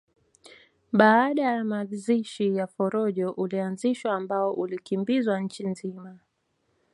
Baada ya mazishi ya Forojo ulianzishwa ambao ulikimbizwa nchi nzima